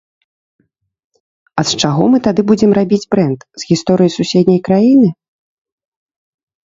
А з чаго мы тады будзем рабіць брэнд, з гісторыі суседняй краіны?